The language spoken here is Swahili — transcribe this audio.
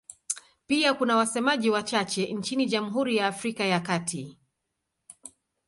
Pia kuna wasemaji wachache nchini Jamhuri ya Afrika ya Kati.